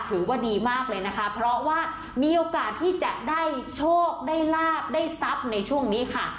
ถือว่าดีมากเลยนะคะเพราะว่ามีโอกาสที่จะได้โชคได้ลาบได้ทรัพย์ในช่วงนี้ค่ะ